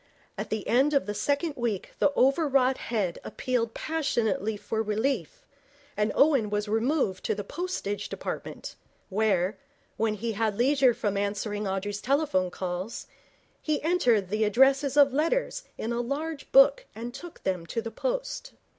At the end of the second week the overwrought head appealed passionately for relief, and Owen was removed to the Postage Department, where, when he had leisure from answering Audrey's telephone calls, he entered the addresses of letters in a large book and took them to the post.